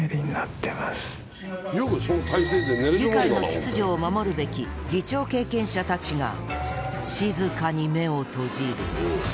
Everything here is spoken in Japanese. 議会の秩序を守るべき議長経験者たちが静かに目を閉じる。